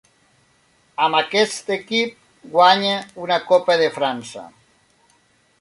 Amb aquest equip guanya una Copa de França.